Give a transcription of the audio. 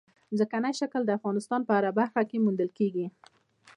ځمکنی شکل د افغانستان په هره برخه کې موندل کېږي.